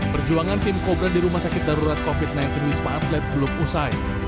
perjuangan tim kobra di rumah sakit darurat covid sembilan belas wisma atlet belum usai